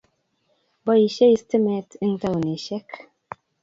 Boishei stimet eng taonishek ak